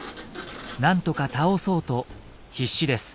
なんとか倒そうと必死です。